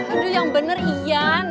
aduh yang bener yan